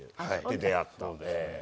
で出会ったので。